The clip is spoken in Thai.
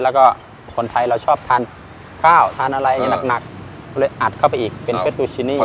แล้วก็คนไทยเราชอบทานข้าวทานอะไรหนักก็เลยอัดเข้าไปอีกเป็นเฟสบูชินี